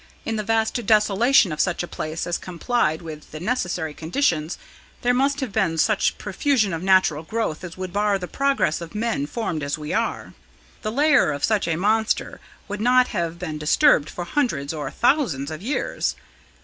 In the vast desolation of such a place as complied with the necessary conditions, there must have been such profusion of natural growth as would bar the progress of men formed as we are. The lair of such a monster would not have been disturbed for hundreds or thousands of years.